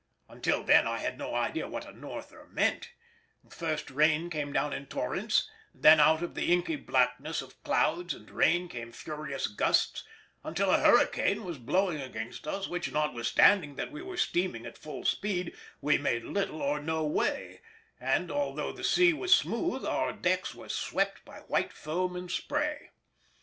Until then I had no idea what a "Norther" meant; first rain came down in torrents, then out of the inky blackness of clouds and rain came furious gusts, until a hurricane was blowing against which, notwithstanding that we were steaming at full speed, we made little or no way, and although the sea was smooth our decks were swept by white foam and spray.